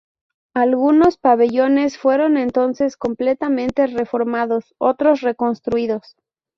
Algunos pabellones fueron entonces completamente reformados, otros reconstruidos.